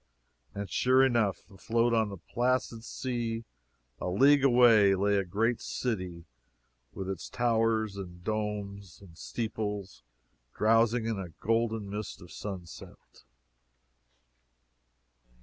And sure enough, afloat on the placid sea a league away, lay a great city, with its towers and domes and steeples drowsing in a golden mist of sunset.